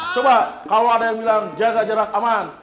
coba kalau ada yang bilang jaga jarak aman